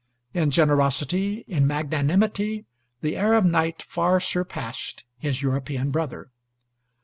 In generosity, in magnanimity, the Arab knight far surpassed his European brother.